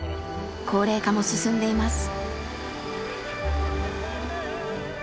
高齢化も進んでいます。